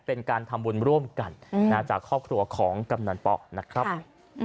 เป็นการทำบุญร่วมกันจากครอบครัวของกำนันป๊อกนะครับ